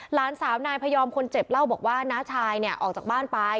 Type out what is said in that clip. หลานสาวนายพยอมคนเจ็บเล่าบอกว่าน้าชายเนี่ยออกจากบ้านไป